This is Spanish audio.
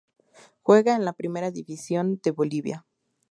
Juega en la Primera División de Bolivia.